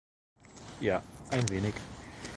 Ja, ein wenig.